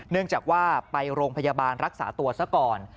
เนื่องจากว่าไปโรงพยาบาลรักษาตัวซะก่อน